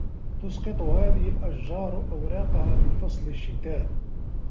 تُسقِط هذه الأشجار أوراقها في فصل الشّتاء.